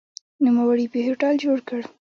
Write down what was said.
نوموړي په هوټل جوړ کړ.